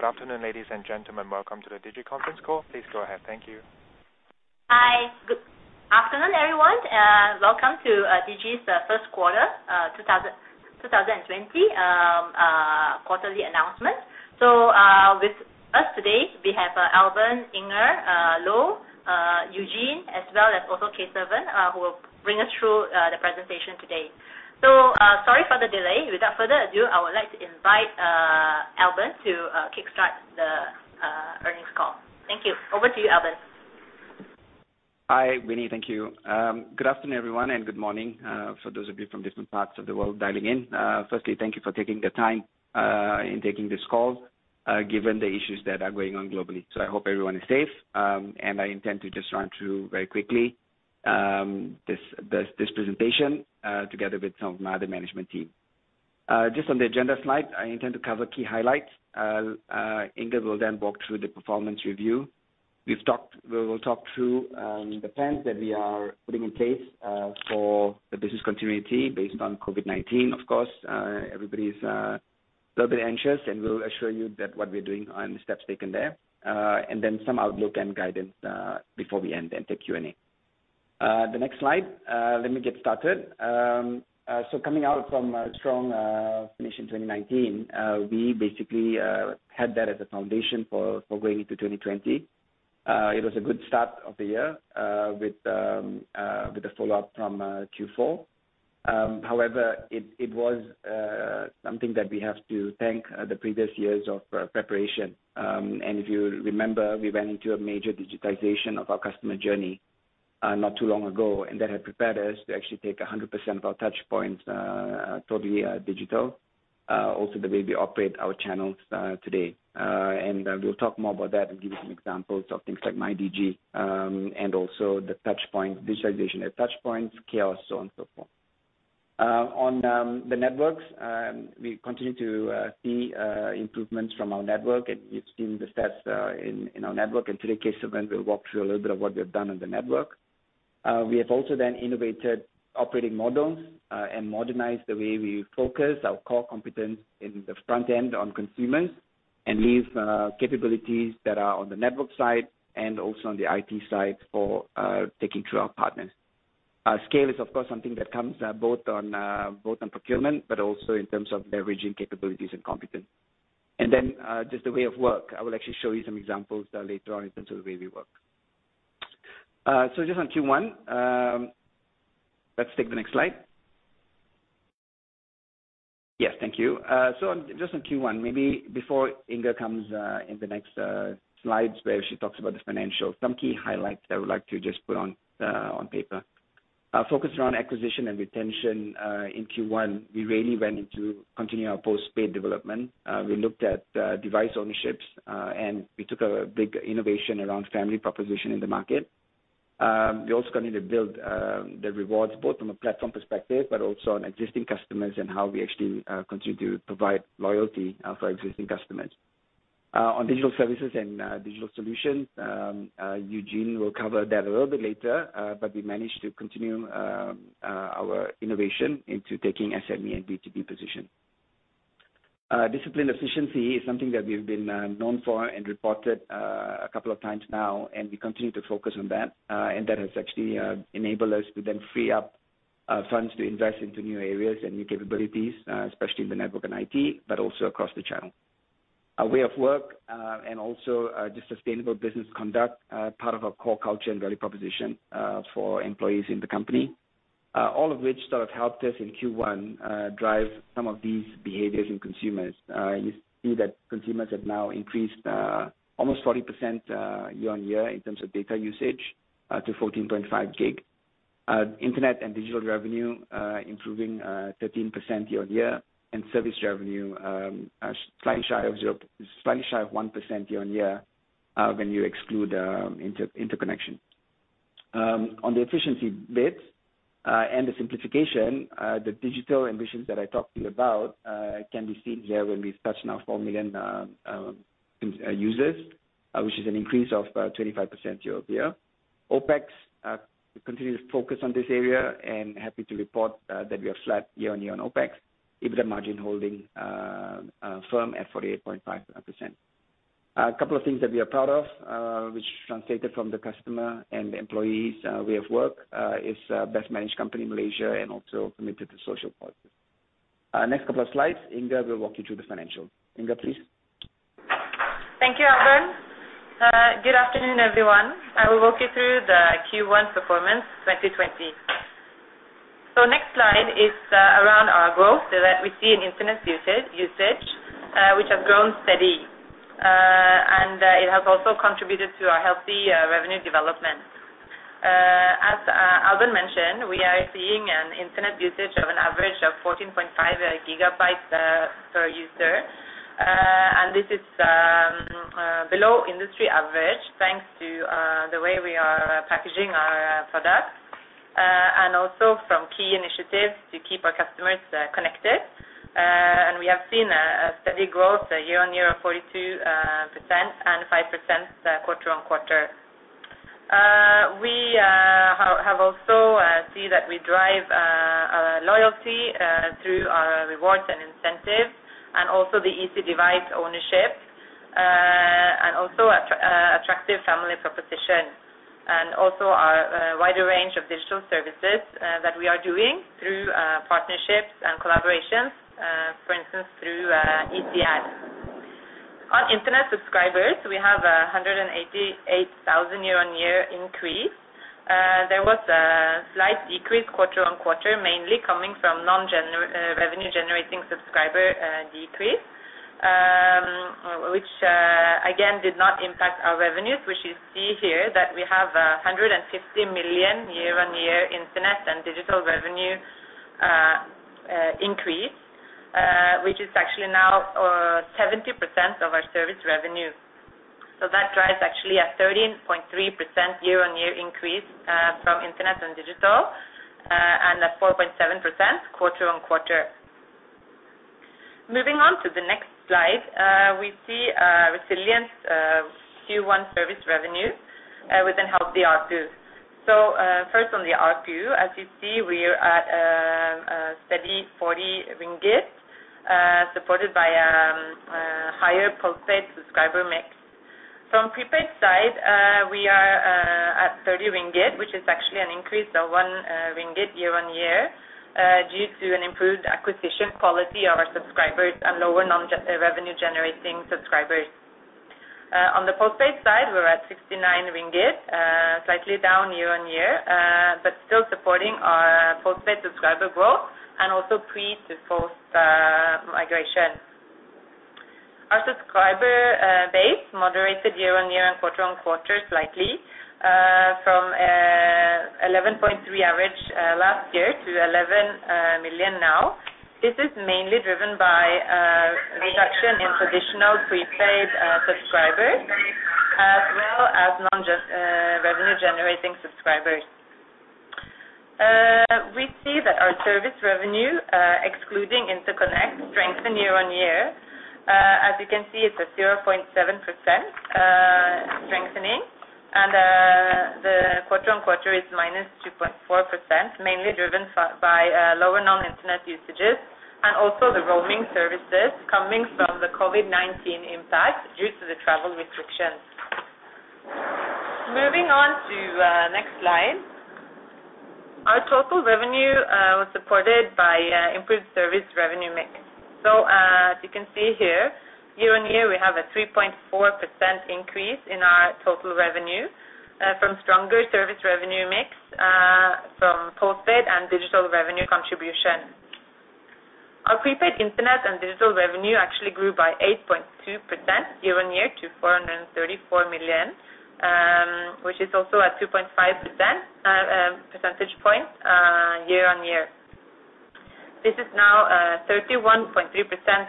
Good afternoon, ladies and gentlemen. Welcome to the Digi conference call. Please go ahead. Thank you. Hi. Good afternoon, everyone, and welcome to Digi's first quarter 2020 quarterly announcement. With us today, we have Albern, Inga, Loh, Eugene, as well as also Kesavan who will bring us through the presentation today. Sorry for the delay. Without further ado, I would like to invite Albern to kickstart the earnings call. Thank you. Over to you, Albern. Hi, Winnie. Thank you. Good afternoon, everyone, and good morning, for those of you from different parts of the world dialing in. Firstly, thank you for taking the time in taking this call, given the issues that are going on globally. I hope everyone is safe, and I intend to just run through very quickly this presentation, together with some of my other management team. Just on the agenda slide, I intend to cover key highlights. Inga will walk through the performance review. We will talk through the plans that we are putting in place for the business continuity based on COVID-19. Of course, everybody's a little bit anxious, and we'll assure you that what we are doing on the steps taken there. Some outlook and guidance before we end, then the Q&A. The next slide. Let me get started. Coming out from a strong finish in 2019, we basically had that as a foundation for going into 2020. It was a good start of the year with the follow-up from Q4. However, it was something that we have to thank the previous years of preparation. If you remember, we went into a major digitization of our customer journey not too long ago, and that had prepared us to actually take 100% of our touch points totally digital. Also, the way we operate our channels today. We'll talk more about that and give you some examples of things like MyDigi, and also the digitization at touchpoints, kiosks, so on and so forth. On the networks, we continue to see improvements from our network, and you've seen the stats in our network. Today, Kesavan will walk through a little bit of what we've done on the network. We have also then innovated operating models and modernized the way we focus our core competence in the front end on consumers and leave capabilities that are on the network side and also on the IT side for taking through our partners. Scale is, of course, something that comes both on procurement, but also in terms of leveraging capabilities and competence. Just the way of work. I will actually show you some examples later on in terms of the way we work. Just on Q1, let's take the next slide. Yes, thank you. Just on Q1, maybe before Inga comes in the next slides where she talks about the financial, some key highlights I would like to just put on paper. Focus around acquisition and retention. In Q1, we really went in to continue our post-paid development. We looked at device ownerships. We took a big innovation around family proposition in the market. We also continue to build the rewards, both from a platform perspective but also on existing customers and how we actually continue to provide loyalty for existing customers. On digital services and digital solutions, Eugene will cover that a little bit later, but we managed to continue our innovation into taking SME and B2B position. Discipline efficiency is something that we've been known for and reported a couple of times now, and we continue to focus on that. That has actually enabled us to then free up funds to invest into new areas and new capabilities, especially in the network and IT, but also across the channel. A way of work, and also just sustainable business conduct, part of our core culture and value proposition, for employees in the company. All of which helped us in Q1 drive some of these behaviors in consumers. You see that consumers have now increased almost 40% year-on-year in terms of data usage to 14.5 GB. Internet and digital revenue improving 13% year-on-year, service revenue slightly shy of 1% year-on-year when you exclude interconnection. On the efficiency bit and the simplification, the digital ambitions that I talked to you about can be seen there when we touched on our four million users, which is an increase of 25% year-over-year. OpEx, we continue to focus on this area and happy to report that we are flat year-on-year on OpEx. EBITDA margin holding firm at 48.5%. A couple of things that we are proud of, which translated from the customer and the employees' way of work is Best Managed Company in Malaysia and also committed to social causes. Next couple of slides, Inga will walk you through the financial. Inga, please. Thank you, Albern. Good afternoon, everyone. I will walk you through the Q1 performance 2020. Next slide is around our growth that we see in internet usage which have grown steady. It has also contributed to our healthy revenue development. As Albern mentioned, we are seeing an internet usage of an average of 14.5 GB per user. This is below industry average, thanks to the way we are packaging our products. Also from key initiatives to keep our customers connected. We have seen a steady growth year-on-year of 42% and 5% quarter-on-quarter. We see that we drive loyalty through our rewards and incentives, and also the easy device ownership, and also attractive family proposition. Also our wider range of digital services that we are doing through partnerships and collaborations, for instance, through EasyAdd. On internet subscribers, we have 188,000 year-on-year increase. There was a slight decrease quarter-on-quarter, mainly coming from non-revenue generating subscriber decrease, which again, did not impact our revenues, which you see here that we have 150 million year-on-year internet and digital revenue increase, which is actually now 70% of our service revenue. That drives actually a 13.3% year-on-year increase from internet and digital, and a 4.7% quarter-on-quarter. Moving on to the next slide, we see a resilient Q1 service revenue within healthy ARPU. First on the ARPU, as you see, we're at a steady 40 million ringgit, supported by a higher postpaid subscriber mix. From prepaid side, we are at 30 million ringgit, which is actually an increase of 1 million ringgit year-on-year, due to an improved acquisition quality of our subscribers and lower non-revenue generating subscribers. On the postpaid side, we're at 69 million ringgit, slightly down year-on-year, still supporting our postpaid subscriber growth and also pre to post migration. Our subscriber base moderated year-on-year and quarter-on-quarter slightly, from 11.3 million average last year to 11 million now. This is mainly driven by a reduction in traditional prepaid subscribers, as well as non-revenue generating subscribers. We see that our service revenue, excluding interconnect, strengthened year-on-year. As you can see, it's a 0.7% strengthening, and the quarter-on-quarter is -2.4%, mainly driven by lower non-internet usages and also the roaming services coming from the COVID-19 impact due to the travel restrictions. Moving on to next slide. Our total revenue was supported by improved service revenue mix. As you can see here, year-on-year, we have a 3.4% increase in our total revenue from stronger service revenue mix from postpaid and digital revenue contribution. Our prepaid internet and digital revenue actually grew by 8.2% year-on-year to 434 million, which is also a 2.5 percentage point year-on-year. This is now 31.3%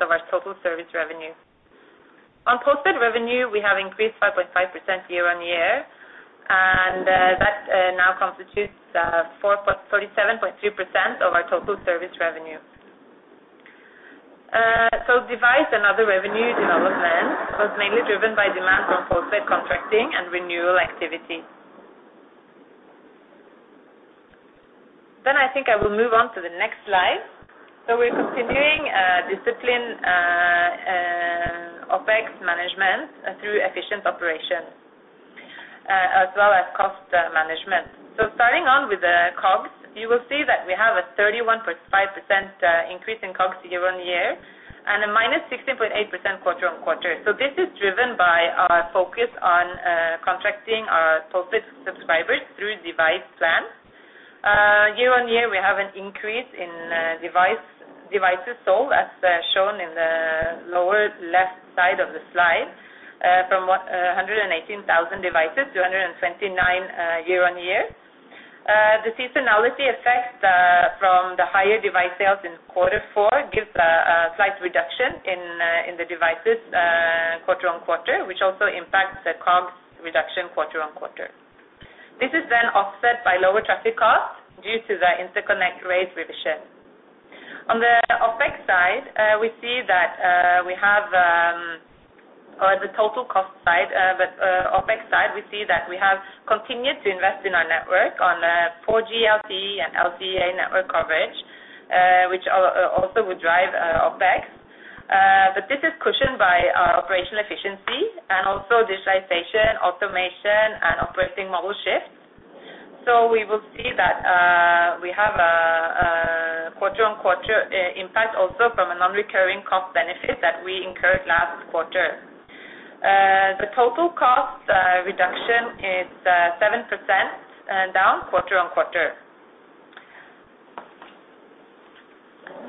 of our total service revenue. Postpaid revenue, we have increased 5.5% year-on-year, and that now constitutes 47.3% of our total service revenue. Device and other revenue development was mainly driven by demand from postpaid contracting and renewal activity. I think I will move on to the next slide. We're continuing discipline OpEx management through efficient operations, as well as cost management. Starting on with the COGS, you will see that we have a 31.5% increase in COGS year-on-year and a -16.8% quarter-on-quarter. This is driven by our focus on contracting our postpaid subscribers through device plans. Year-on-year, we have an increase in devices sold, as shown in the lower left side of the slide, from 118,000 devices to 129 year-on-year. The seasonality effect from the higher device sales in quarter four gives a slight reduction in the devices quarter-on-quarter, which also impacts the COGS reduction quarter-on-quarter. This is offset by lower traffic costs due to the interconnect rate revision. On the OpEx side, we see that we have continued to invest in our network on 4G LTE and LTE-A network coverage, which also would drive OpEx. This is cushioned by our operational efficiency and also digitization, automation, and operating model shift. We will see that we have a quarter-on-quarter impact also from a non-recurring cost benefit that we incurred last quarter. The total cost reduction is 7% down quarter-on-quarter.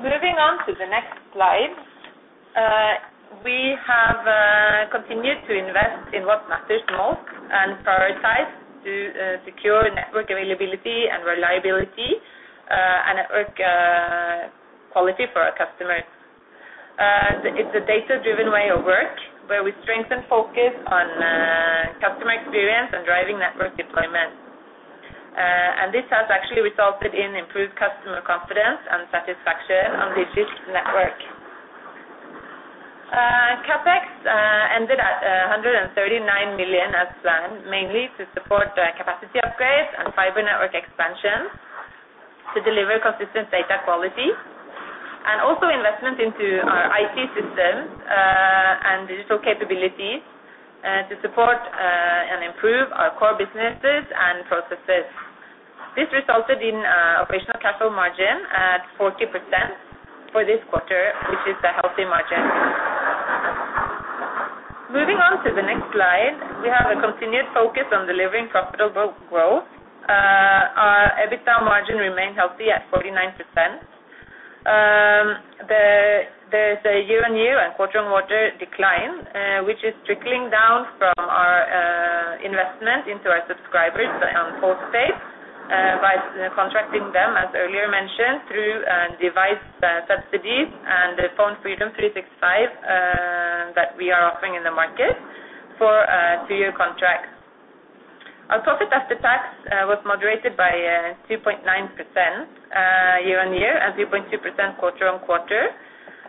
Moving on to the next slide. We have continued to invest in what matters most and prioritize to secure network availability and reliability and network quality for our customers. It's a data-driven way of work where we strengthen focus on customer experience and driving network deployment. This has actually resulted in improved customer confidence and satisfaction on Digi's network. CapEx ended at 139 million as planned, mainly to support capacity upgrades and fiber network expansion to deliver consistent data quality, and also investment into our IT systems, and digital capabilities to support and improve our core businesses and processes. This resulted in operational capital margin at 40% for this quarter, which is a healthy margin. Moving on to the next slide. We have a continued focus on delivering profitable growth. Our EBITDA margin remained healthy at 49%. There is a year-on-year and quarter-on-quarter decline, which is trickling down from our investment into our subscribers on post-pay, by contracting them, as earlier mentioned, through device subsidies and the PhoneFreedom 365 that we are offering in the market for a two-year contract. Our profit after tax was moderated by 2.9% year-on-year and 3.2% quarter-on-quarter,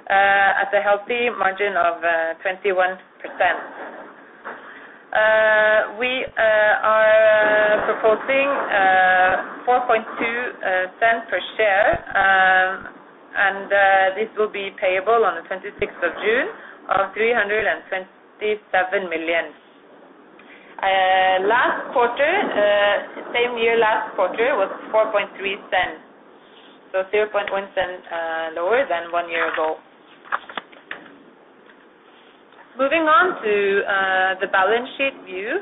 at a healthy margin of 21%. We are proposing MYR 0.042 per share, and this will be payable on the 26th of June of 327 million. Same year last quarter, it was 0.043, so 0.001 lower than one year ago. Moving on to the balance sheet view.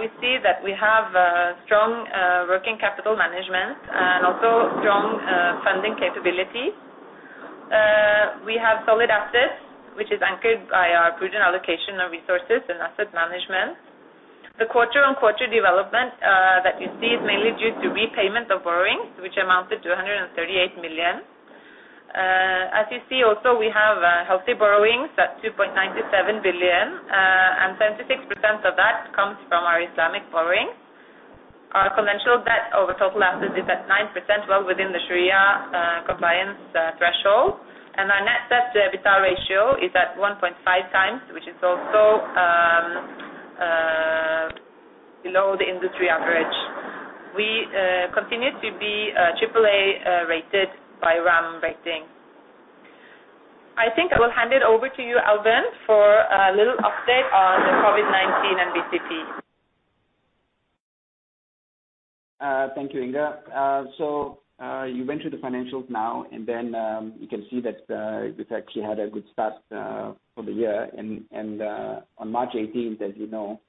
We see that we have strong working capital management and also strong funding capabilities. We have solid assets, which is anchored by our prudent allocation of resources and asset management. The quarter-on-quarter development that you see is mainly due to repayment of borrowings, which amounted to 138 million. As you see also, we have healthy borrowings at 2.97 billion, and 76% of that comes from our Islamic borrowings. Our conventional debt over total assets is at 9%, well within the Shariah compliance threshold, and our net debt-to-EBITDA ratio is at 1.5x, which is also below the industry average. We continue to be AAA-rated by RAM Rating. I think I will hand it over to you, Albern, for a little update on the COVID-19 and BCP. Thank you, Inga. You went through the financials now, you can see that we've actually had a good start for the year. On March 18th, as you know,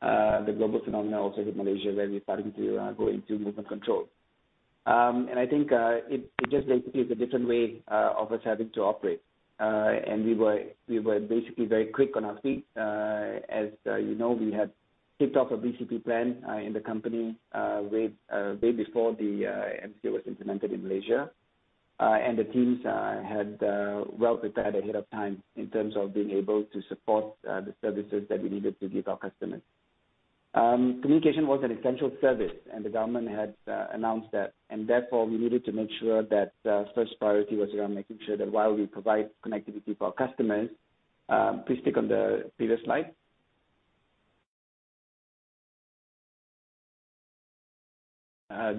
the global phenomenon also hit Malaysia, where we started to go into movement control. I think it just basically is a different way of us having to operate. We were basically very quick on our feet. As you know, we had kicked off a BCP plan in the company way before the MCO was implemented in Malaysia. The teams had well prepared ahead of time in terms of being able to support the services that we needed to give our customers. Communication was an essential service, and the government had announced that. Therefore, we needed to make sure that first priority was around making sure that while we provide connectivity for our customers. Please click on the previous slide.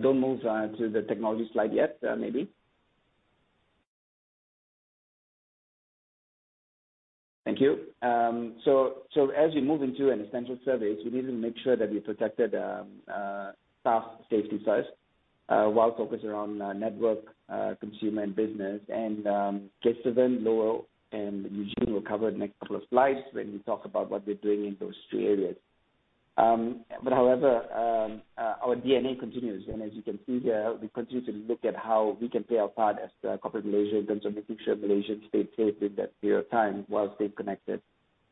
Don't move to the technology slide yet, maybe. Thank you. As we move into an essential service, we needed to make sure that we protected staff safety first, while focused around network, consumer, and business. Kesavan, Loh, and Eugene will cover the next couple of slides when we talk about what we're doing in those three areas. However, our DNA continues, and as you can see here, we continue to look at how we can play our part as corporate Malaysia in terms of making sure Malaysians stayed safe in that period of time while staying connected.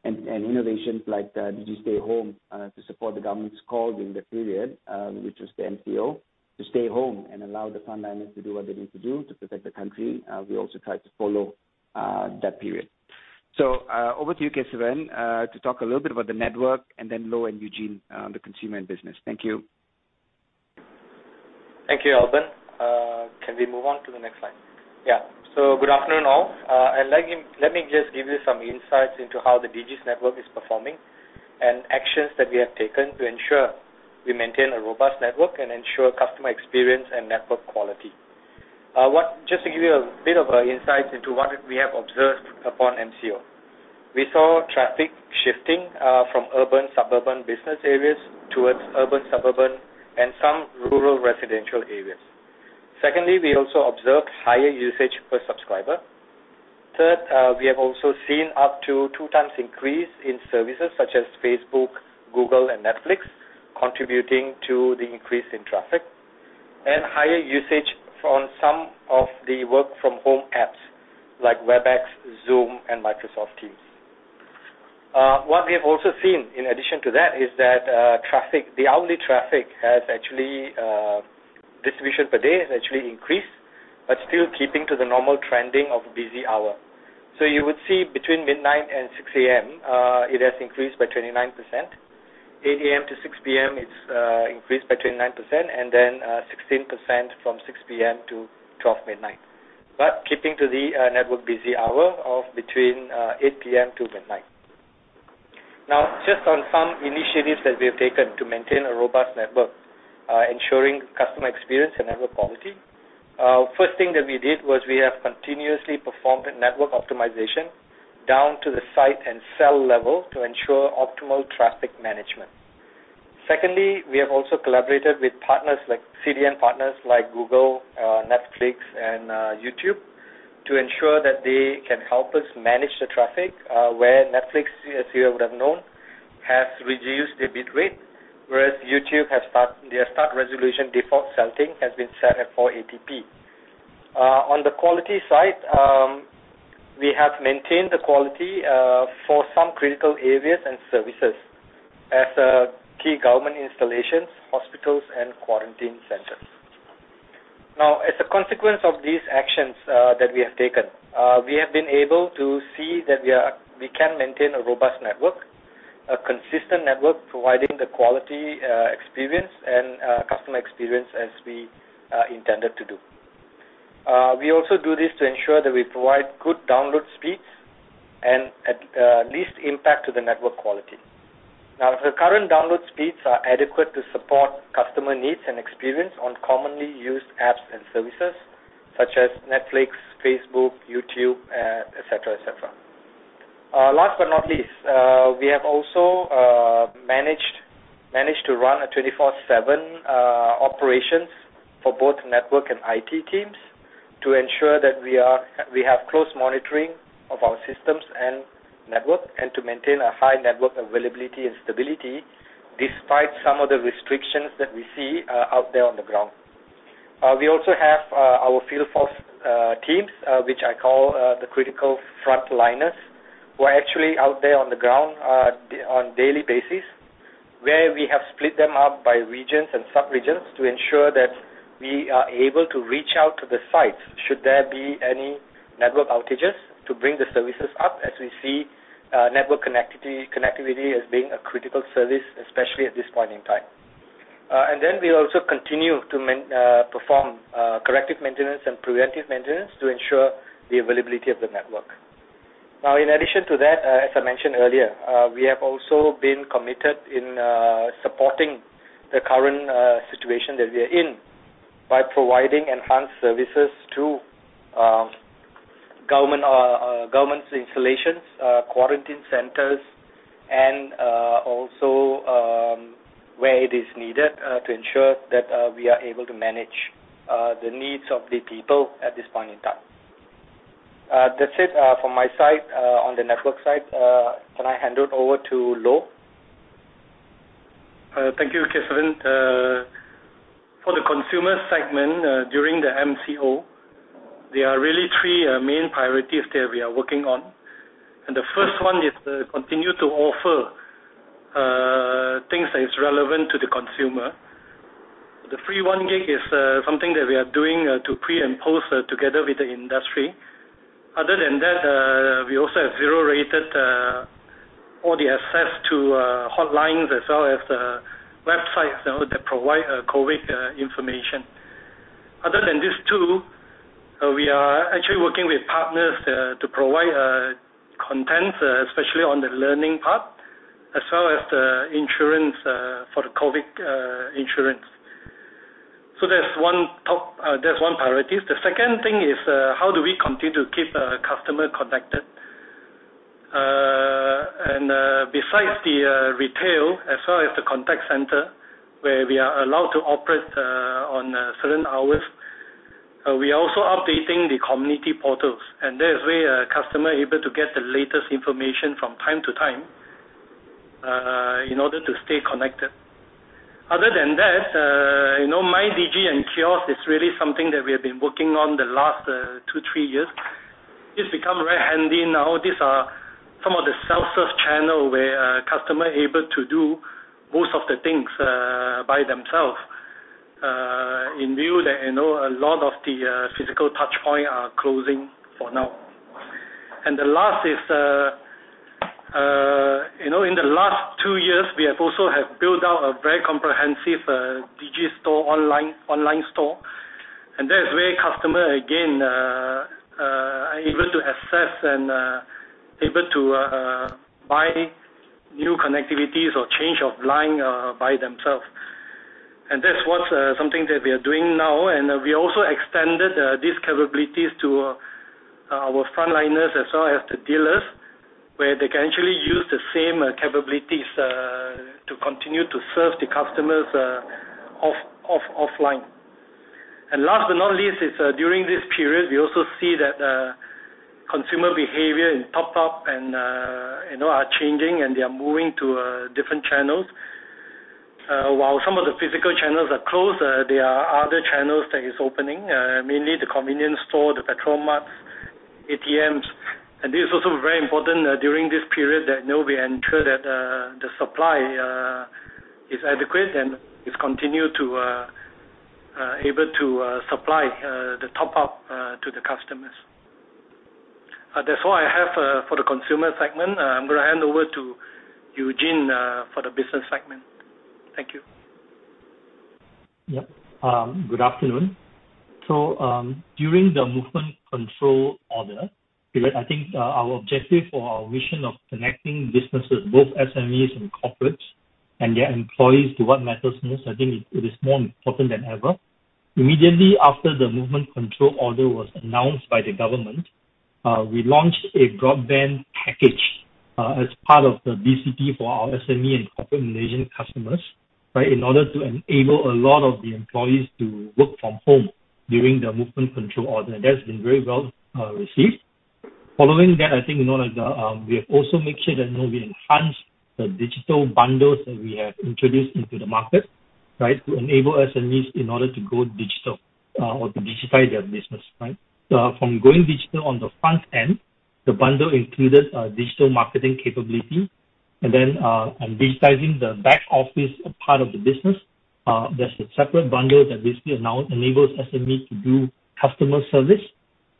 Innovations like Digi Stay Home to support the government's call during the period, which was the MCO, to stay home and allow the frontliners to do what they need to do to protect the country. We also tried to follow that period. Over to you, Kesavan, to talk a little bit about the network and then Loh and Eugene on the consumer and business. Thank you. Thank you, Albern. Can we move on to the next slide? Yeah. Good afternoon, all. Let me just give you some insights into how the Digi network is performing and actions that we have taken to ensure we maintain a robust network and ensure customer experience and network quality. Just to give you a bit of an insight into what we have observed upon MCO. We saw traffic shifting from urban-suburban business areas towards urban-suburban and some rural residential areas. Secondly, we also observed higher usage per subscriber. Third, we have also seen up to 2x increase in services such as Facebook, Google, and Netflix, contributing to the increase in traffic. Higher usage on some of the work-from-home apps like Webex, Zoom, and Microsoft Teams. What we have also seen in addition to that is that the hourly traffic distribution per day has actually increased, but still keeping to the normal trending of busy hour. You would see between midnight and 6:00 A.M., it has increased by 29%. 8:00 A.M. to 6:00 P.M., it's increased by 29%, and then 16% from 6:00 P.M. to 12:00 midnight. Keeping to the network busy hour of between 8:00 P.M. to midnight. Now, just on some initiatives that we have taken to maintain a robust network, ensuring customer experience and network quality. First thing that we did was we have continuously performed a network optimization down to the site and cell level to ensure optimal traffic management. Secondly, we have also collaborated with partners like CDN partners, like Google, Netflix, and YouTube to ensure that they can help us manage the traffic, where Netflix, as you would have known, has reduced the bitrate, whereas YouTube, their start resolution default setting has been set at 480p. On the quality side, we have maintained the quality for some critical areas and services as key government installations, hospitals, and quarantine centers. Now, as a consequence of these actions that we have taken, we have been able to see that we can maintain a robust network, a consistent network providing the quality experience and customer experience as we intended to do. We also do this to ensure that we provide good download speeds and at least impact to the network quality. Now, the current download speeds are adequate to support customer needs and experience on commonly used apps and services such as Netflix, Facebook, YouTube, et cetera. Last but not least, we have also managed to run a 24/7 operations for both network and IT teams to ensure that we have close monitoring of our systems and network, and to maintain a high network availability and stability despite some of the restrictions that we see out there on the ground. We also have our field force teams, which I call the critical frontliners, who are actually out there on the ground on daily basis, where we have split them up by regions and sub-regions to ensure that we are able to reach out to the sites, should there be any network outages, to bring the services up as we see network connectivity as being a critical service, especially at this point in time. We also continue to perform corrective maintenance and preventive maintenance to ensure the availability of the network. In addition to that, as I mentioned earlier, we have also been committed in supporting the current situation that we are in by providing enhanced services to government installations, quarantine centers, and also where it is needed to ensure that we are able to manage the needs of the people at this point in time. That's it from my side, on the network side. Can I hand it over to Loh? Thank you, Kesavan. For the consumer segment, during the MCO, there are really three main priorities that we are working on. The first one is to continue to offer things that is relevant to the consumer. The free 1 GB is something that we are doing to pre-impose together with the industry. Other than that, we also have zero-rated all the access to hotlines as well as the websites that provide COVID information. Other than these two, we are actually working with partners to provide content, especially on the learning part, as well as the insurance for the COVID insurance. That's one priority. The second thing is, how do we continue to keep a customer connected? Besides the retail, as well as the contact center, where we are allowed to operate on certain hours, we are also updating the community portals, and that is where a customer is able to get the latest information from time to time in order to stay connected. Other than that, MyDigi and Kiosk is really something that we have been working on the last two, three years. It's become very handy now. These are some of the self-serve channel where a customer able to do most of the things by themselves, in view that a lot of the physical touchpoint are closing for now. The last is, in the last two years, we have also have built out a very comprehensive Digi online store, and that is where customer, again, are able to access and able to buy new connectivities or change of line by themselves. That's something that we are doing now, we also extended these capabilities to our frontliners as well as the dealers, where they can actually use the same capabilities to continue to serve the customers offline. Last but not least, during this period, we also see that consumer behavior in top-up is changing, they are moving to different channels. While some of the physical channels are closed, there are other channels that are opening, mainly the convenience stores, the petrol marts, ATMs. This is also very important during this period that we ensure that the supply is adequate and continue to be able to supply the top-up to the customers. That's all I have for the Consumer segment. I'm going to hand over to Eugene for the Business segment. Thank you. Yep. Good afternoon. During the movement control order, I think our objective or our vision of connecting businesses, both SMEs and corporates, and their employees to what matters most, I think it is more important than ever. Immediately after the movement control order was announced by the government, we launched a broadband package as part of the BCP for our SME and corporate Malaysian customers, right? In order to enable a lot of the employees to work from home during the movement control order. That's been very well-received. Following that, I think, we have also made sure that we enhance the digital bundles that we have introduced into the market, right, to enable SMEs in order to go digital or to digitize their business, right? From going digital on the front end, the bundle included digital marketing capability and then, in digitizing the back-office part of the business, there's a separate bundle that basically now enables SME to do customer service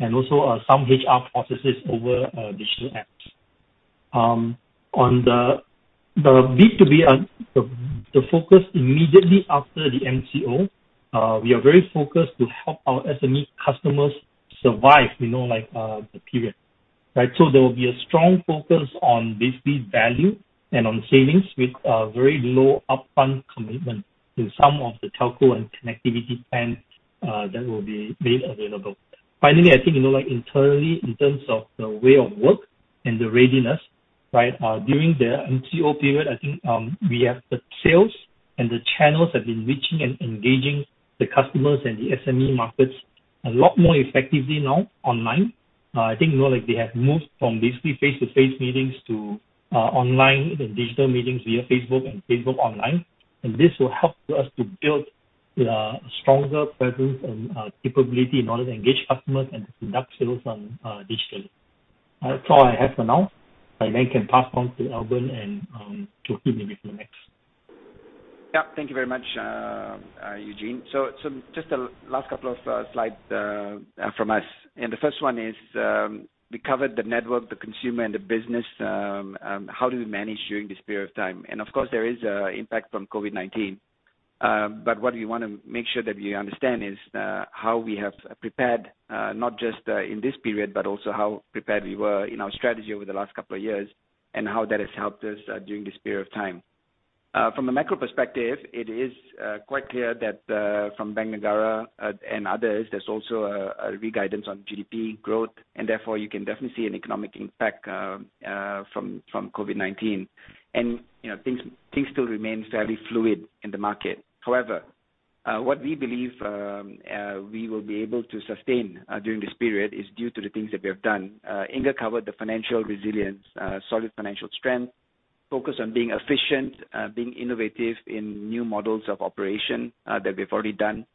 and also, some HR processes over digital apps. On the B2B, the focus immediately after the MCO, we are very focused to help our SME customers survive the period, right? There will be a strong focus on basically value and on savings with a very low upfront commitment in some of the telco and connectivity plans that will be made available. Finally, I think, internally, in terms of the way of work and the readiness, right? During the MCO period, I think, we have the sales and the channels have been reaching and engaging the customers and the SME markets a lot more effectively now online. I think, they have moved from basically face-to-face meetings to online and digital meetings via Facebook and Facebook Online. This will help us to build a stronger presence and capability in order to engage customers and to conduct sales digitally. That's all I have for now. I then can pass on to Albern and to finish the next. Yeah. Thank you very much, Eugene. Just a last couple of slides from us. The first one is, we covered the network, the consumer, and the business, how do we manage during this period of time? Of course, there is impact from COVID-19. What we want to make sure that we understand is, how we have prepared, not just in this period, but also how prepared we were in our strategy over the last couple of years, and how that has helped us during this period of time. From a macro perspective, it is quite clear that from Bank Negara and others, there's also a re-guidance on GDP growth, and therefore, you can definitely see an economic impact from COVID-19. Things still remain fairly fluid in the market. However, what we believe we will be able to sustain during this period is due to the things that we have done. Inga covered the financial resilience, solid financial strength, focus on being efficient, being innovative in new models of operation that we've already done,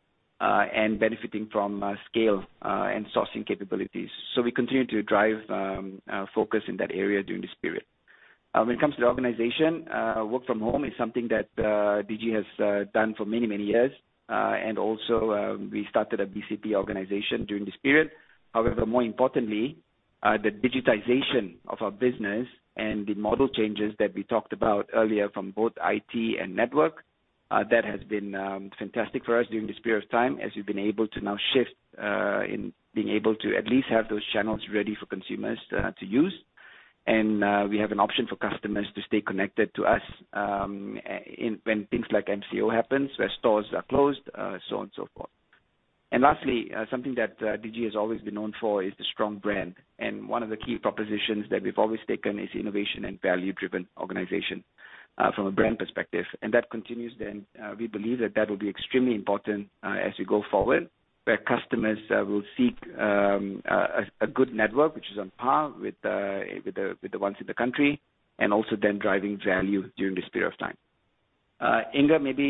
and benefiting from scale and sourcing capabilities. We continue to drive focus in that area during this period. When it comes to the organization, work from home is something that Digi has done for many years. We started a BCP organization during this period. More importantly, the digitization of our business and the model changes that we talked about earlier from both IT and network, that has been fantastic for us during this period of time as we've been able to now shift in being able to at least have those channels ready for consumers to use. We have an option for customers to stay connected to us when things like MCO happens, where stores are closed, so on and so forth. Lastly, something that Digi has always been known for is the strong brand. One of the key propositions that we've always taken is innovation and value-driven organization from a brand perspective, and that continues. We believe that that will be extremely important as we go forward, where customers will seek a good network, which is on par with the ones in the country, and also then driving value during this period of time. Inga, maybe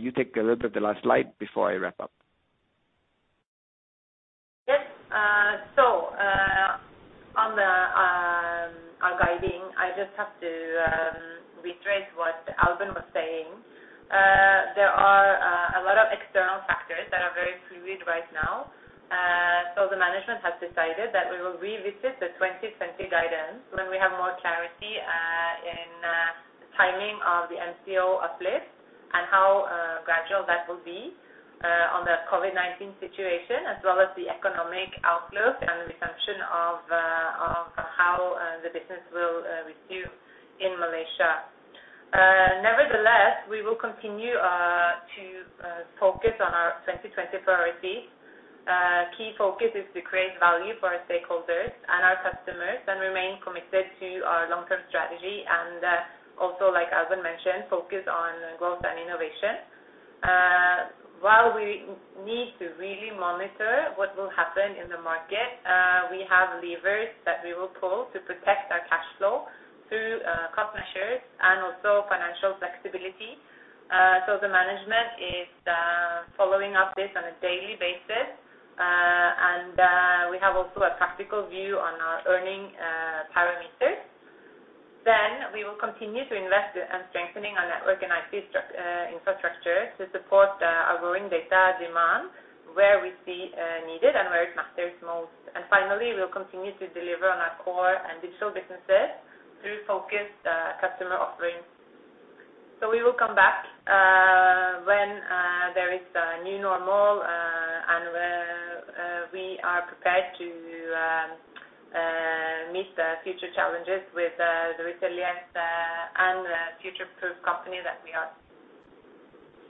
you take a little bit of the last slide before I wrap up. Yes. On our guiding, I just have to retrace what Albern was saying. There are a lot of external factors that are very fluid right now. The management has decided that we will revisit the 2020 guidance when we have more clarity in the timing of the MCO uplift and how gradual that will be on the COVID-19 situation as well as the economic outlook and the assumption of how the business will resume in Malaysia. Nevertheless, we will continue to focus on our 2020 priorities. Key focus is to create value for our stakeholders and our customers and remain committed to our long-term strategy and also, like Albern mentioned, focus on growth and innovation. While we need to really monitor what will happen in the market, we have levers that we will pull to protect our cash flow through cost measures and also financial flexibility. The management is following up this on a daily basis. We have also a practical view on our earning parameters. We continue to invest in strengthening our network and IT infrastructure to support our growing data demand where we see needed and where it matters most. Finally, we'll continue to deliver on our core and digital businesses through focused customer offerings. We will come back when there is a new normal, and we are prepared to meet the future challenges with the resilience and the future-proof company that we are.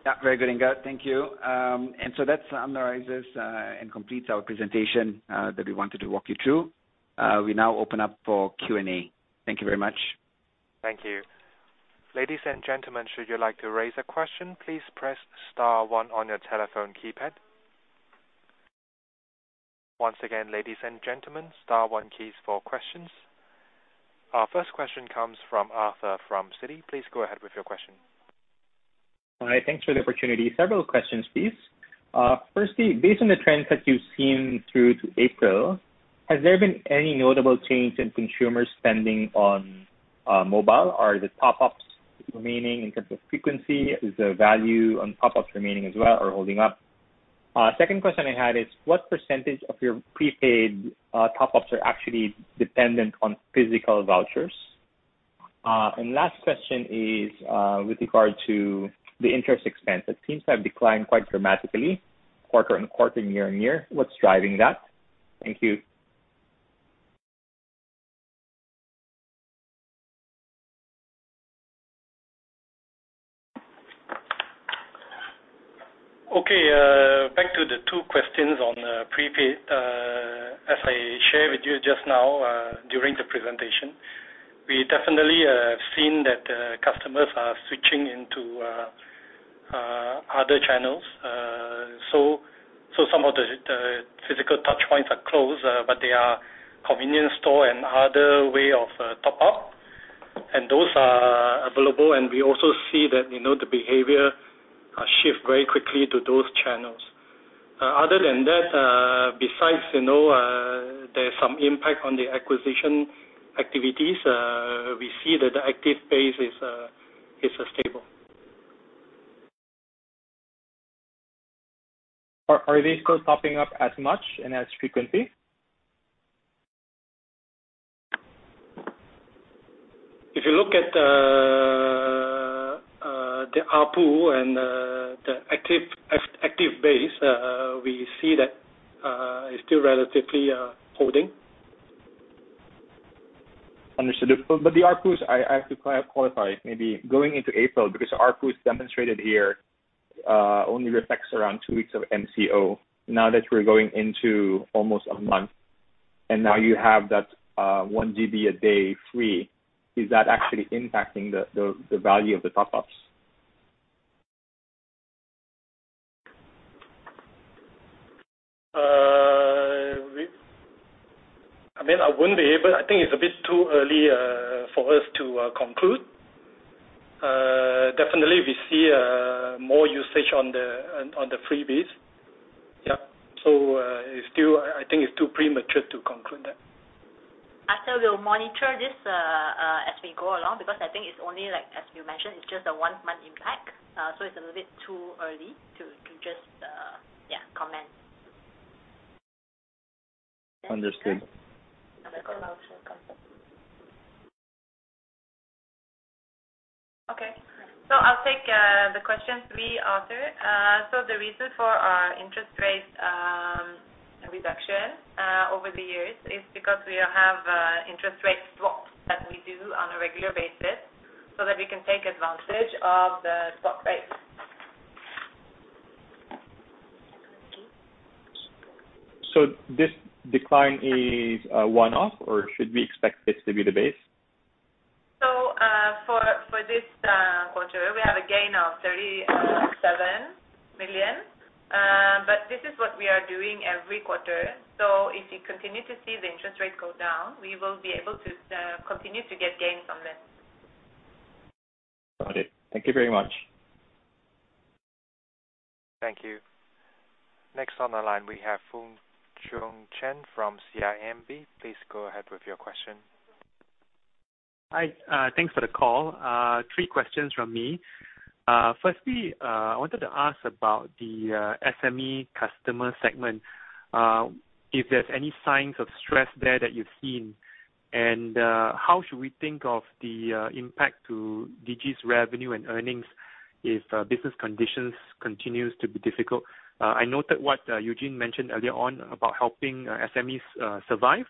Yeah. Very good, Inga. Thank you. That summarizes and completes our presentation that we wanted to walk you through. We now open up for Q&A. Thank you very much. Thank you. Ladies and gentlemen, should you like to raise a question, please press star one on your telephone keypad. Once again, ladies and gentlemen, star one keys for questions. Our first question comes from Arthur from Citi. Please go ahead with your question. Hi. Thanks for the opportunity. Several questions, please. Firstly, based on the trends that you've seen through to April, has there been any notable change in consumer spending on mobile? Are the top-ups remaining in terms of frequency? Is the value on top-ups remaining as well or holding up? Second question I had is what percentage of your prepaid top-ups are actually dependent on physical vouchers? Last question is with regard to the interest expense. It seems to have declined quite dramatically quarter-over-quarter and year-over-year. What's driving that? Thank you. Okay. Back to the two questions on prepaid. As I shared with you just now during the presentation, we definitely have seen that customers are switching into other channels. Some of the physical touchpoints are closed, but there are convenience store and other way of top up, and those are available, and we also see that the behavior shift very quickly to those channels. Other than that, besides there's some impact on the acquisition activities, we see that the active base is stable. Are they still topping up as much and as frequently? If you look at the ARPU and the active base, we see that it's still relatively holding. Understood. The ARPUs, I have to qualify maybe going into April because ARPU is demonstrated here only reflects around two weeks of MCO. Now that we're going into almost a month, and now you have that 1 GB a day free, is that actually impacting the value of the top-ups? I wouldn't be able. I think it's a bit too early for us to conclude. Definitely we see more usage on the freebies. Yeah. I think it's too premature to conclude that. Arthur, we'll monitor this as we go along because I think it's only like, as you mentioned, it's just a one-month impact. It's a little bit too early to just comment. Understood. Okay. I'll take the question three, Arthur. The reason for our interest rate reduction over the years is because we have interest rate swaps that we do on a regular basis so that we can take advantage of the swap rates. This decline is a one-off, or should we expect this to be the base? For this quarter, we have a gain of 37 million. This is what we are doing every quarter. If we continue to see the interest rates go down, we will be able to continue to get gains from this. Got it. Thank you very much. Thank you. Next on the line, we have [Fung Chee Chun] from CIMB. Please go ahead with your question. Hi. Thanks for the call. Three questions from me. Firstly, I wanted to ask about the SME customer segment, if there's any signs of stress there that you've seen, and how should we think of the impact to Digi's revenue and earnings if business conditions continues to be difficult? I noted what Eugene mentioned earlier on about helping SMEs survive.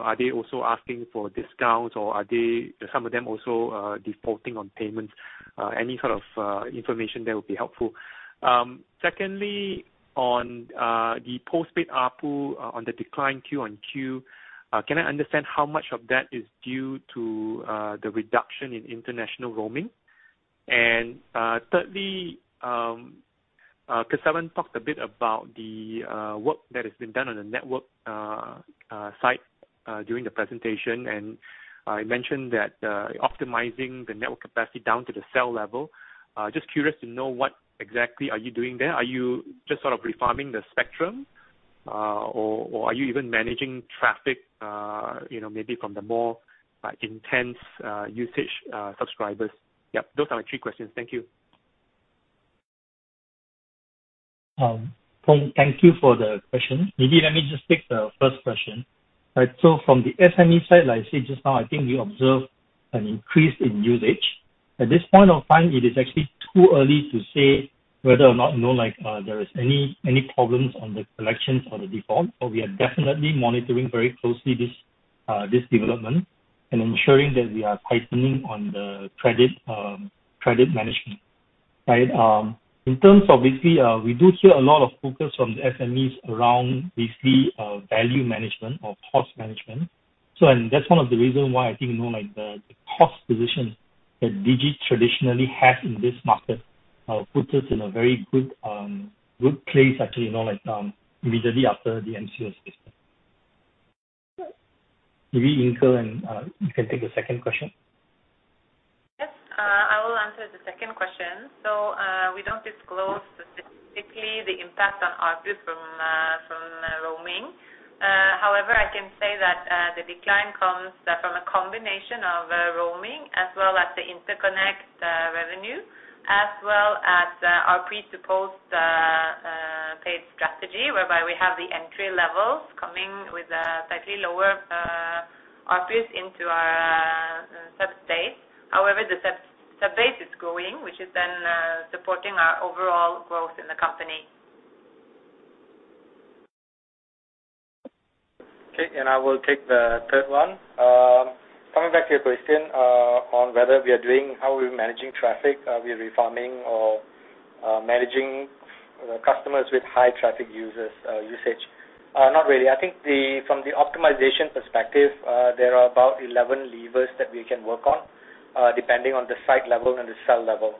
Are they also asking for discounts or are some of them also defaulting on payments? Any kind of information there will be helpful. Secondly, on the postpaid ARPU on the decline QoQ, can I understand how much of that is due to the reduction in international roaming? Thirdly, Kesavan talked a bit about the work that has been done on the network site during the presentation, and I mentioned that optimizing the network capacity down to the cell level. Just curious to know what exactly are you doing there. Are you just sort of reforming the spectrum? Are you even managing traffic maybe from the more intense usage subscribers? Yeah. Those are my three questions. Thank you. Thank you for the question. Maybe let me just take the first question. From the SME side, like I said just now, I think we observed an increase in usage. At this point of time, it is actually too early to say whether or not there is any problems on the collections or the default, but we are definitely monitoring very closely this development and ensuring that we are tightening on the credit management. In terms of, we do hear a lot of focus from the SMEs around basically value management or cost management. That's one of the reasons why I think, the cost position that Digi traditionally has in this market puts us in a very good place actually immediately after the MCO is lifted. Maybe, Inga, you can take the second question. Yes. I will answer the second question. We don't disclose specifically the impact on ARPU from roaming. However, I can say that the decline comes from a combination of roaming as well as the interconnect revenue, as well as our pre to postpaid strategy, whereby we have the entry levels coming with a slightly lower ARPU into our sub-base. However, the sub-base is growing, which is then supporting our overall growth in the company. Okay. I will take the third one. Coming back to your question on whether we are doing, how we're managing traffic, are we refarming or managing customers with high traffic usage. Not really. I think from the optimization perspective, there are about 11 levers that we can work on, depending on the site level and the cell level.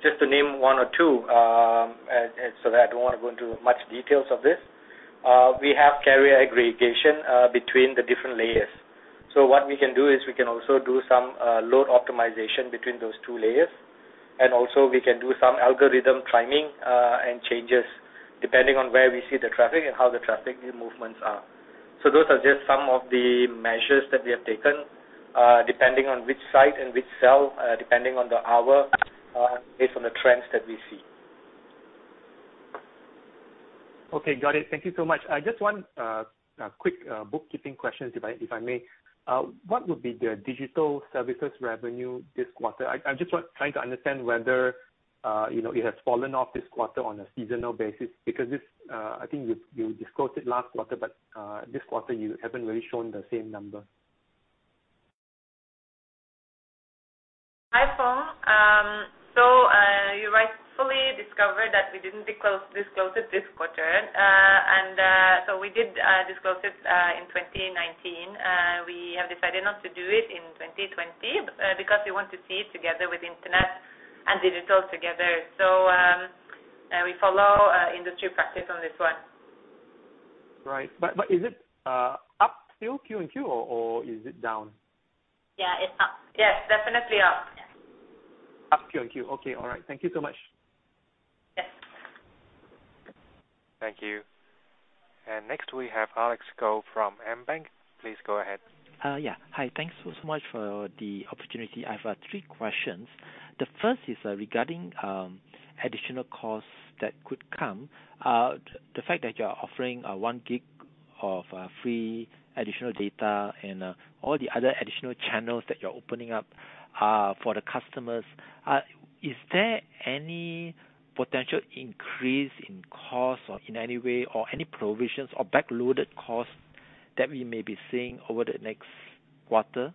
Just to name one or two, I don't want to go into much details of this. We have carrier aggregation between the different layers. What we can do is we can also do some load optimization between those two layers. We can do some algorithm timing and changes depending on where we see the traffic and how the traffic movements are. Those are just some of the measures that we have taken, depending on which site and which cell, depending on the hour, based on the trends that we see. Okay, got it. Thank you so much. Just one quick bookkeeping question, if I may. What would be the digital services revenue this quarter? I just want trying to understand whether it has fallen off this quarter on a seasonal basis because this, I think you disclosed it last quarter, but, this quarter, you haven't really shown the same number. Hi, Fung. You rightfully discovered that we didn't disclose it this quarter. We did disclose it in 2019. We have decided not to do it in 2020 because we want to see it together with internet and digital together. We follow industry practice on this one. Right. Is it up still Q-o-Q or is it down? Yeah, it's up. Yes, definitely up. Yes. Up Q-o-Q. Okay, all right. Thank you so much. Yes. Thank you. Next we have Alex Goh from AmBank. Please go ahead. Yeah. Hi. Thanks so much for the opportunity. I have three questions. The first is regarding additional costs that could come. The fact that you're offering 1 GB of free additional data and all the other additional channels that you're opening up for the customers. Is there any potential increase in cost or in any way or any provisions or back-loaded costs that we may be seeing over the next quarter,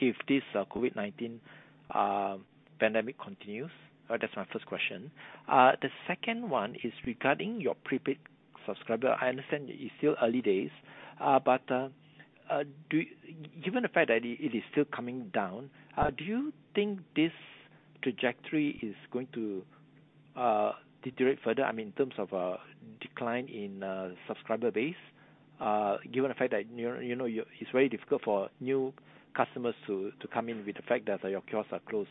if this COVID-19 pandemic continues? That's my first question. The second one is regarding your prepaid subscriber. I understand it's still early days. Given the fact that it is still coming down, do you think this trajectory is going to deteriorate further? In terms of a decline in subscriber base, given the fact that it's very difficult for new customers to come in with the fact that your kiosks are closed.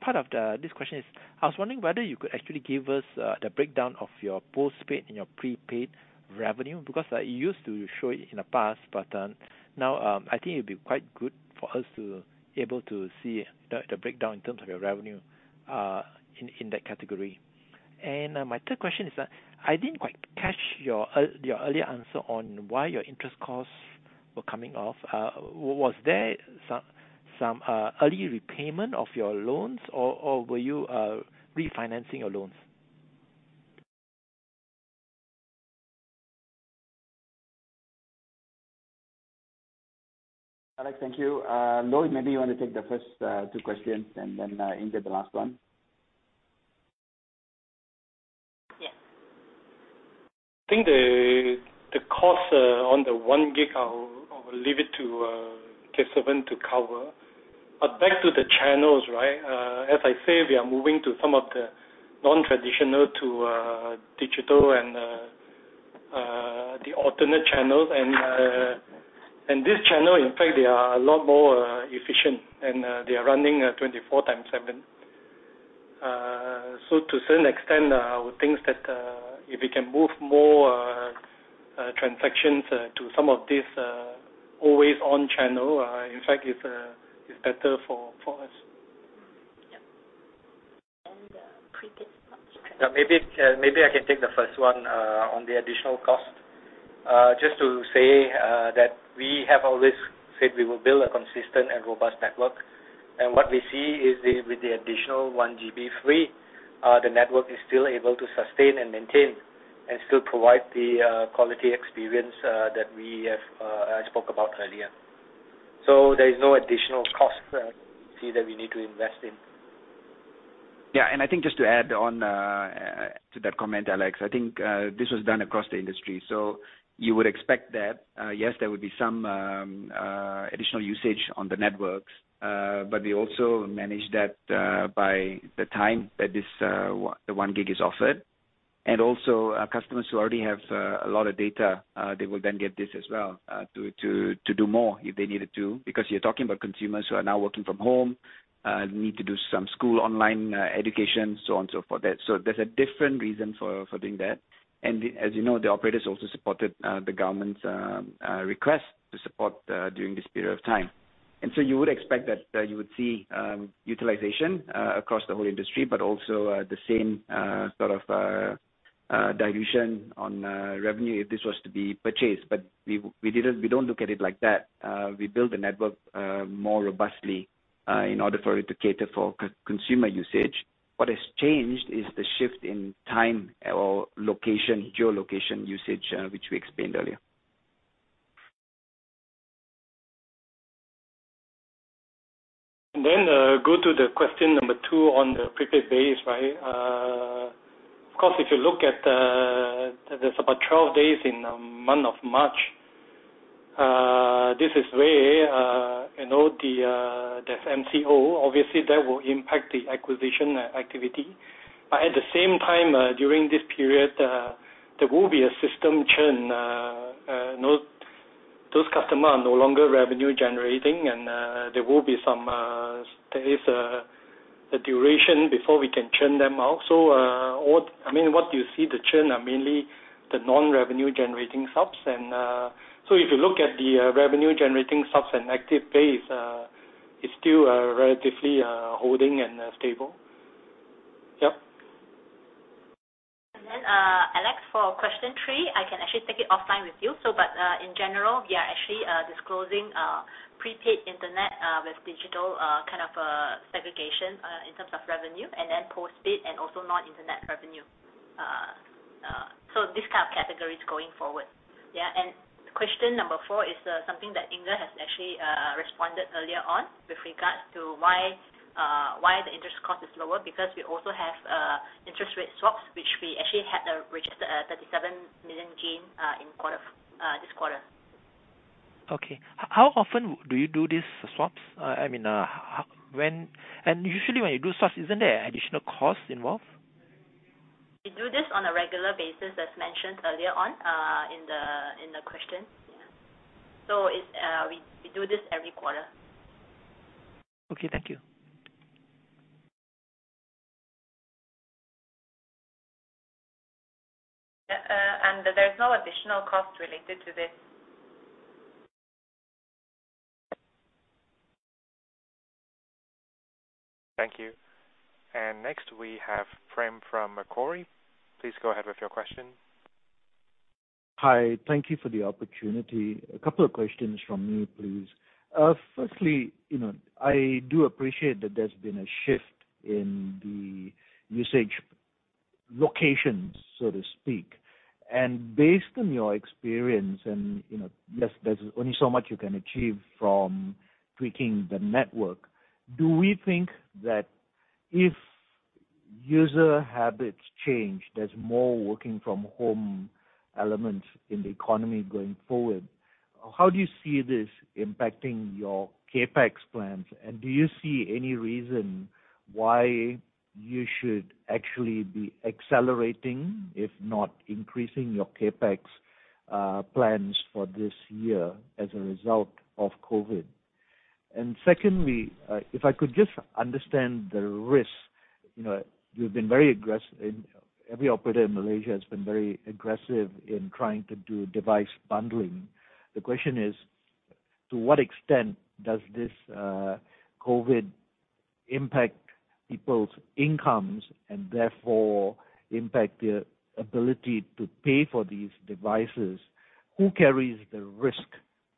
Part of this question is, I was wondering whether you could actually give us the breakdown of your postpaid and your prepaid revenue because you used to show it in the past, but now, I think it'd be quite good for us to able to see the breakdown in terms of your revenue in that category. My third question is, I didn't quite catch your earlier answer on why your interest costs were coming off. Was there some early repayment of your loans or were you refinancing your loans? Alex, thank you. Loh, maybe you want to take the first two questions and then Inga the last one? Yes. I think the cost on the 1 GB, I will leave it to Kesavan to cover. Back to the channels. As I say, we are moving to some of the non-traditional to digital. The alternate channels. This channel, in fact, they are a lot more efficient and they are running 24x7. To a certain extent, I would think that if we can move more transactions to some of these always-on channel, in fact, it's better for us. Yep. Prepaid. Maybe I can take the first one on the additional cost. Just to say that we have always said we will build a consistent and robust network. What we see is with the additional 1GB free, the network is still able to sustain and maintain and still provide the quality experience that I spoke about earlier. There's no additional cost that we see that we need to invest in. I think just to add on to that comment, Alex, I think this was done across the industry. So, you would expect that yes, there would be some additional usage on the networks, but we also manage that by the time that the 1 GB is offered. Also, customers who already have a lot of data, they will then get this as well to do more if they needed to. Because you're talking about consumers who are now working from home, need to do some school online education, so on and so forth. There's a different reason for doing that. As you know, the operators also supported the government's request to support during this period of time. You would expect that you would see utilization across the whole industry, but also the same sort of dilution on revenue if this was to be purchased. We don't look at it like that. We build the network more robustly in order for it to cater for consumer usage. What has changed is the shift in time or geolocation usage, which we explained earlier. Go to the question number two on the prepaid base, right? Of course, if you look at, there's about 12 days in the month of March. This is where the MCO, obviously, that will impact the acquisition activity. At the same time, during this period, there will be a system churn. Those customers are no longer revenue generating, and there is a duration before we can churn them out. What you see the churn are mainly the non-revenue generating subs. If you look at the revenue generating subs and active base, it's still relatively holding and stable. Yep. Alex, for question three, I can actually take it offline with you. In general, we are actually disclosing prepaid internet with digital segregation in terms of revenue, and then postpaid and also non-internet revenue. These kind of categories going forward. Yeah. Question number four is something that Inga has actually responded earlier on with regards to why the interest cost is lower because we also have interest rate swaps, which we actually had a registered 37 million gain this quarter. Okay. How often do you do these swaps? Usually when you do swaps, isn't there additional cost involved? We do this on a regular basis, as mentioned earlier on in the question. We do this every quarter. Okay, thank you. There's no additional cost related to this. Thank you. Next we have Prem from Macquarie. Please go ahead with your question. Hi. Thank you for the opportunity. A couple of questions from me, please. Firstly, I do appreciate that there's been a shift in the usage locations, so to speak. Based on your experience, and there's only so much you can achieve from tweaking the network. Do we think that if user habits change, there's more working from home element in the economy going forward, how do you see this impacting your CapEx plans? Do you see any reason why you should actually be accelerating, if not increasing, your CapEx plans for this year as a result of COVID? Secondly, if I could just understand the risk. Every operator in Malaysia has been very aggressive in trying to do device bundling. The question is, to what extent does this COVID impact people's incomes and therefore impact their ability to pay for these devices? Who carries the risk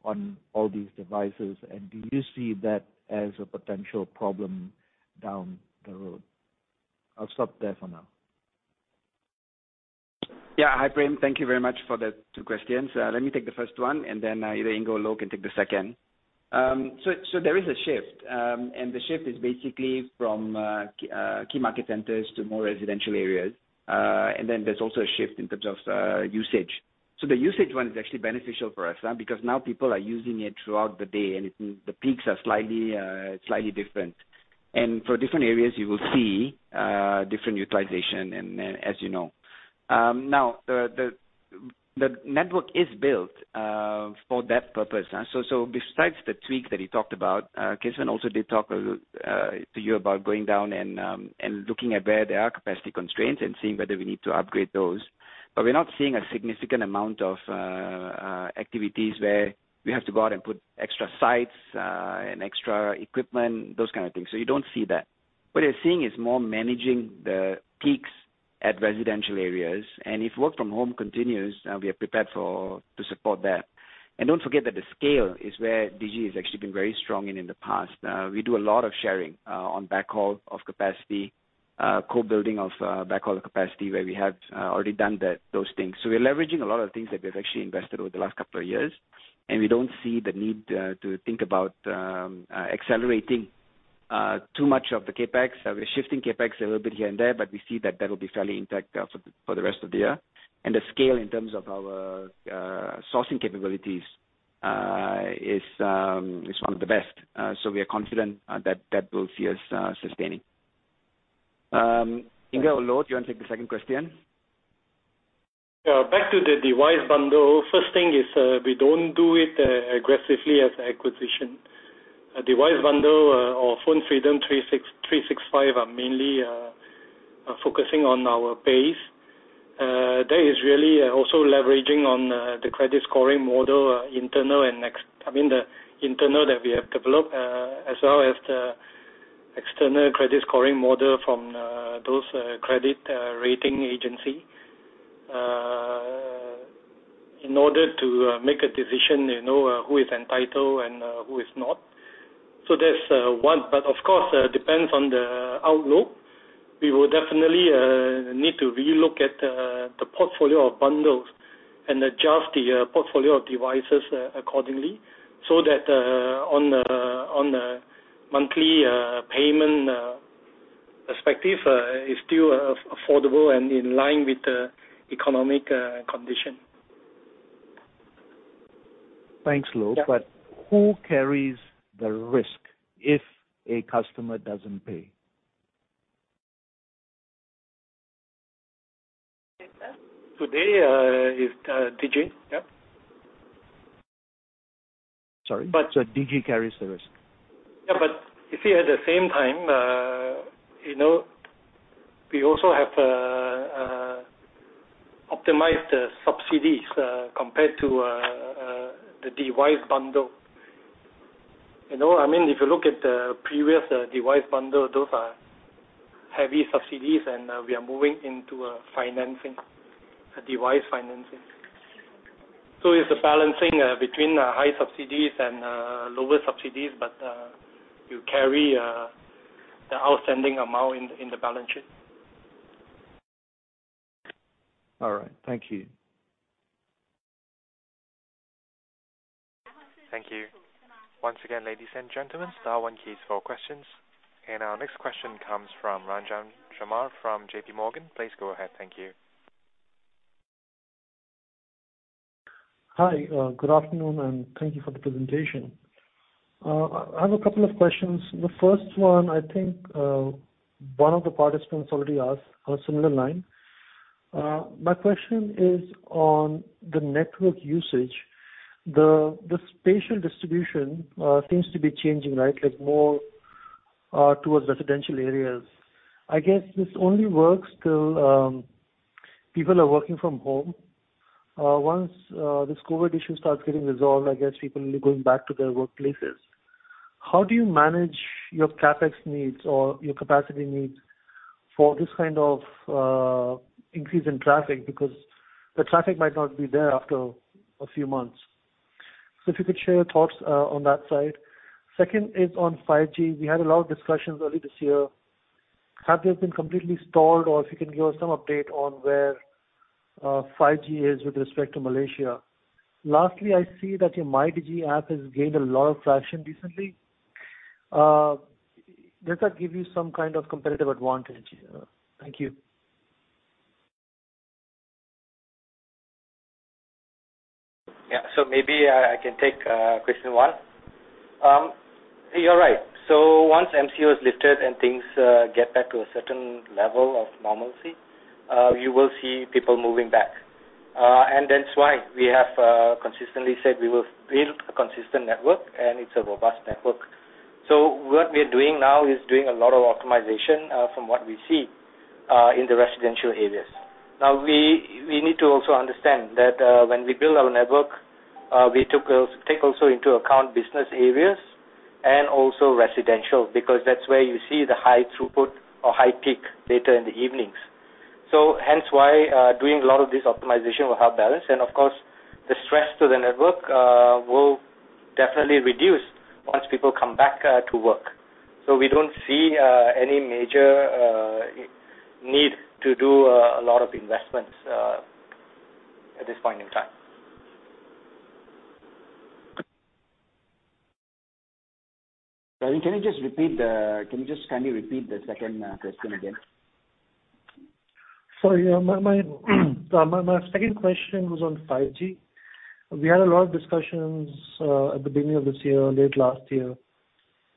on all these devices, and do you see that as a potential problem down the road? I'll stop there for now. Hi, Prem. Thank you very much for the two questions. Let me take the first one, and then either Inga or Loh can take the second. There is a shift, and the shift is basically from key market centers to more residential areas. There's also a shift in terms of usage. The usage one is actually beneficial for us now because now people are using it throughout the day, and the peaks are slightly different. For different areas, you will see different utilization, as you know. Now, the network is built for that purpose. Besides the tweak that he talked about, Kesavan also did talk to you about going down and looking at where there are capacity constraints and seeing whether we need to upgrade those. We're not seeing a significant amount of activities where we have to go out and put extra sites and extra equipment, those kinds of things. You don't see that. What you're seeing is more managing the peaks at residential areas. If work from home continues, we are prepared to support that. Don't forget that the scale is where Digi has actually been very strong in the past. We do a lot of sharing on backhaul of capacity, co-building of backhaul capacity, where we have already done those things. We are leveraging a lot of things that we've actually invested over the last couple of years, and we don't see the need to think about accelerating too much of the CapEx. We're shifting CapEx a little bit here and there, but we see that that will be fairly intact for the rest of the year. The scale in terms of our sourcing capabilities is one of the best. We are confident that that will see us sustaining. Inga or Loh, do you want to take the second question? Back to the device bundle. First thing is, we don't do it aggressively as an acquisition. A device bundle or PhoneFreedom 365 are mainly focusing on our base. That is really also leveraging on the credit scoring model internal that we have developed as well as the external credit scoring model from those credit rating agency, in order to make a decision, who is entitled and who is not. That's one. Of course, depends on the outlook. We will definitely need to relook at the portfolio of bundles and adjust the portfolio of devices accordingly, so that on a monthly payment perspective, it's still affordable and in line with the economic condition. Thanks, Loh. Yeah. Who carries the risk if a customer doesn't pay? Today, it's Digi. Yep. Sorry. Digi carries the risk. Yeah, you see, at the same time, we also have optimized subsidies compared to the device bundle. If you look at the previous device bundle, those are heavy subsidies, and we are moving into financing, device financing. It's a balancing between high subsidies and lower subsidies. You carry the outstanding amount in the balance sheet. All right. Thank you. Thank you. Once again, ladies and gentlemen, star one keys for questions. Our next question comes from Ranjan Sharma from JPMorgan. Please go ahead. Thank you. Hi. Good afternoon. Thank you for the presentation. I have a couple of questions. The first one, I think, one of the participants already asked along a similar line. My question is on the network usage. The spatial distribution seems to be changing, right? Like more towards residential areas. I guess this only works till people are working from home. Once this COVID issue starts getting resolved, I guess people will be going back to their workplaces. How do you manage your CapEx needs or your capacity needs for this kind of increase in traffic? Because the traffic might not be there after a few months. If you could share your thoughts on that side. Second is on 5G. We had a lot of discussions early this year. Have they been completely stalled? If you can give us some update on where 5G is with respect to Malaysia. Lastly, I see that your MyDigi app has gained a lot of traction recently. Does that give you some kind of competitive advantage? Thank you. Yeah. Maybe I can take question one. You're right. Once MCO is lifted and things get back to a certain level of normalcy, you will see people moving back. That's why we have consistently said we will build a consistent network, and it's a robust network. What we are doing now is doing a lot of optimization from what we see in the residential areas. Now, we need to also understand that when we build our network, we take also into account business areas and also residential, because that's where you see the high throughput or high peak later in the evenings. Hence why doing a lot of this optimization will help balance. Of course, the stress to the network will definitely reduce once people come back to work. We don't see any major need to do a lot of investments at this point in time. Sorry, can you just kindly repeat the second question again? Sorry. My second question was on 5G. We had a lot of discussions at the beginning of this year, late last year,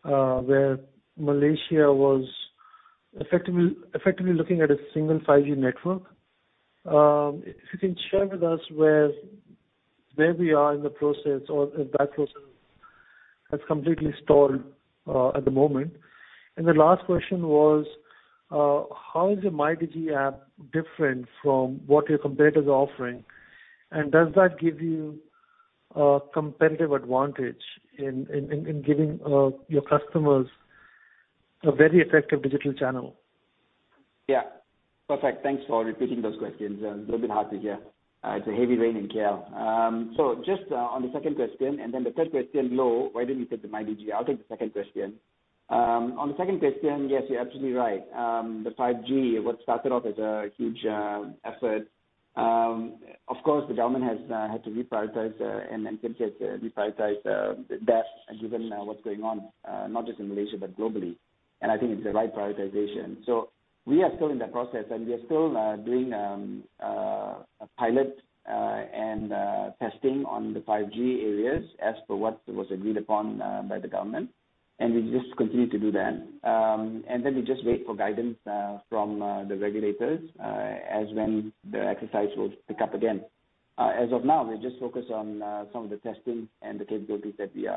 where Malaysia was effectively looking at a single 5G network. If you can share with us where we are in the process or if that process has completely stalled at the moment. The last question was, how is your MyDigi app different from what your competitors are offering, and does that give you a competitive advantage in giving your customers a very effective digital channel? Yeah, perfect. Thanks for repeating those questions. A little bit hard to hear. It's a heavy rain in KL. Just on the second question, then the third question, Loh, why don't you take the MyDigi? I'll take the second question. On the second question, yes, you're absolutely right. The 5G, what started off as a huge effort, of course, the government has had to reprioritize, and in some case, reprioritize that given what's going on, not just in Malaysia but globally. I think it's the right prioritization. We are still in the process, and we are still doing a pilot and testing on the 5G areas as for what was agreed upon by the government, and we just continue to do that. Then we just wait for guidance from the regulators as when the exercise will pick up again. As of now, we're just focused on some of the testing and the capabilities that we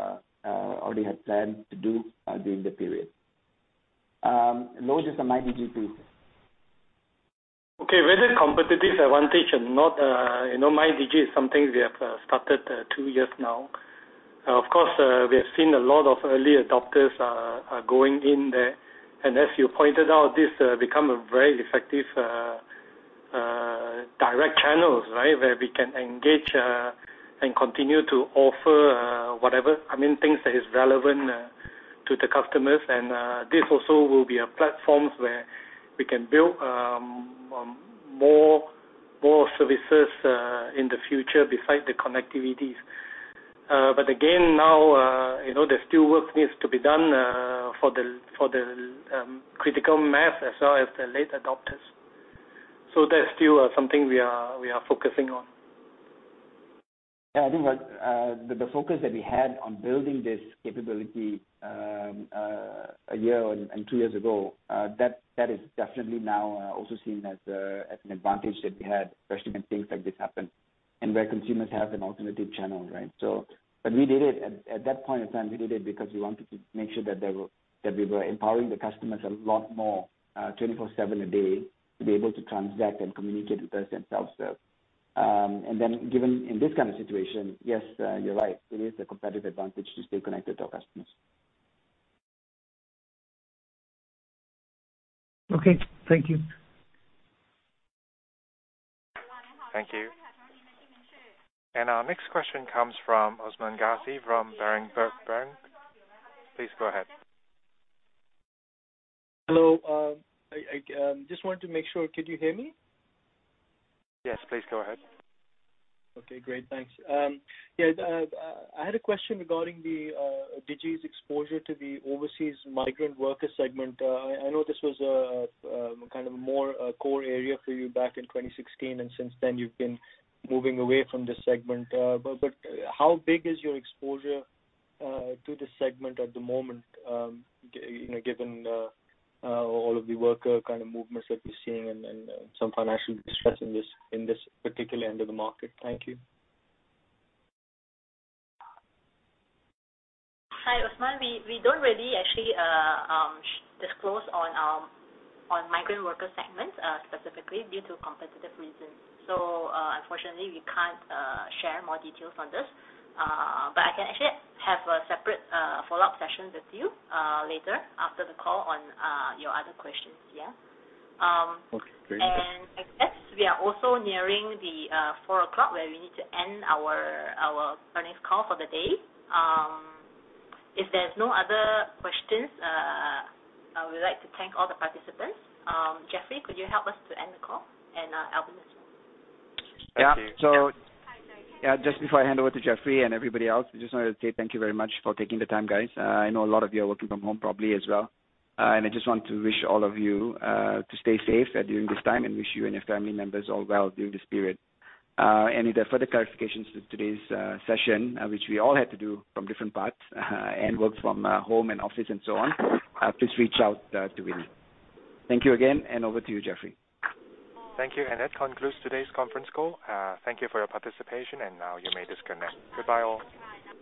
already had planned to do during the period. Loh, just on MyDigi, please. Whether competitive advantage or not, MyDigi is something we have started two years now. Of course, we have seen a lot of early adopters are going in there, and as you pointed out, this become a very effective direct channels where we can engage and continue to offer things that is relevant to the customers. This also will be a platform where we can build more services in the future beside the connectivities. Again, now, there's still work needs to be done for the critical mass as well as the late adopters. That's still something we are focusing on. Yeah, I think with the focus that we had on building this capability a year and two years ago that is definitely now also seen as an advantage that we had, especially when things like this happen and where consumers have an alternative channel, right? At that point in time, we did it because we wanted to make sure that we were empowering the customers a lot more, 24/7 a day, to be able to transact and communicate with us and self-serve. Given in this kind of situation, yes, you're right, it is a competitive advantage to stay connected to our customers. Okay. Thank you. Thank you. Our next question comes from Usman Ghazi from Berenberg. Please go ahead. Hello. Just wanted to make sure, could you hear me? Yes, please go ahead. Okay, great. Thanks. Yeah, I had a question regarding Digi's exposure to the overseas migrant worker segment. I know this was a more core area for you back in 2016, and since then, you've been moving away from this segment. How big is your exposure to this segment at the moment given all of the worker movements that we're seeing and some financial distress in this particular end of the market? Thank you. Hi, Usman. We don't really actually disclose on migrant worker segments specifically due to competitive reasons. Unfortunately, we can't share more details on this. I can actually have a separate follow-up session with you later after the call on your other questions, yeah? Okay. Great. I guess we are also nearing 4:00 P.M., where we need to end our earnings call for the day. If there's no other questions, I would like to thank all the participants. Jeffrey, could you help us to end the call? Albern as well. Yeah. Thank you. Just before I hand over to Jeffrey and everybody else, I just wanted to say thank you very much for taking the time, guys. I know a lot of you are working from home probably as well. I just want to wish all of you to stay safe during this time and wish you and your family members all well during this period. Any further clarifications to today's session, which we all had to do from different parts and work from home and office and so on, please reach out to Wendy. Thank you again, and over to you, Jeffrey. Thank you. That concludes today's conference call. Thank you for your participation, and now you may disconnect. Goodbye, all.